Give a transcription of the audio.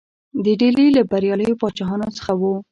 د ډهلي له بریالیو پاچاهانو څخه وو.